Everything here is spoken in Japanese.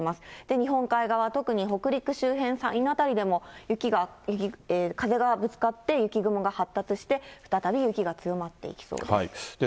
日本海側、特に北陸周辺、山陰の辺りでも、雪が、風がぶつかって、雪雲が発達して、再び雪が強まっていきそうです。